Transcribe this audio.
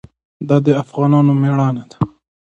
دا د افغانانو مېړانه وه.